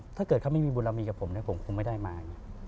ถ้าเกิดเขาไม่มีบุญเรามีกับผมเนี่ยผมคงไม่ได้มา